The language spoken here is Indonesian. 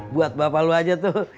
buat bapak lu aja tuh